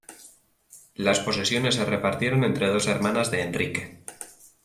Las posesiones se repartieron entre dos hermanas de Enrique.